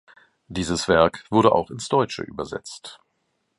Dieses Werk wurde auch ins Deutsche übersetzt.